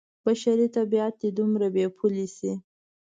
بشري طبعیت دې دومره بې پولې شي.